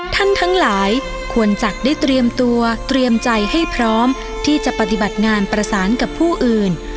ทั้งหลายควรจะได้เตรียมตัวเตรียมใจให้พร้อมที่จะปฏิบัติงานประสานกับผู้อื่น